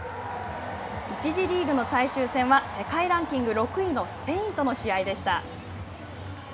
１次リーグの最終戦は世界ランキング６位のスペインとの試合でした。